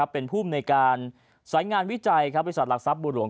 เป็นผู้ในการสายงานวิจัยวิสัตว์หลักทรัพย์บุหรวง